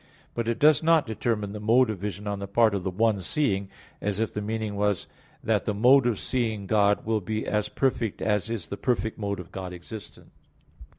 But it does not determine the mode of vision on the part of the one seeing; as if the meaning was that the mode of seeing God will be as perfect as is the perfect mode of God's existence.